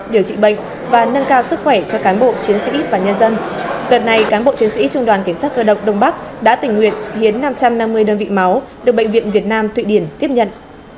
điều trị bệnh và nâng cao sức khỏe cho cán bộ chiến sĩ và nhân dân đợt này cán bộ chiến sĩ trung đoàn cảnh sát cơ động đông bắc đã tình nguyện hiến năm trăm năm mươi đơn vị máu được bệnh viện việt nam thụy điển tiếp nhận